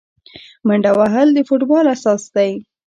منډه وهل د فوټبال اساس دی.